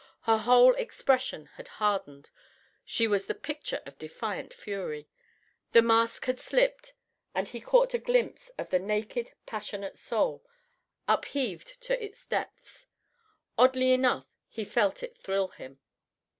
Her whole expression had hardened; she was the picture of defiant fury. The mask had slipped, and he caught a glimpse of the naked, passionate soul, upheaved to its depths. Oddly enough, he felt it thrill him.